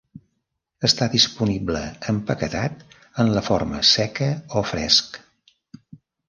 Està disponible empaquetat en la forma seca o fresc.